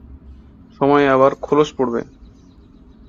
সময়ে আবার খোলস পড়বে।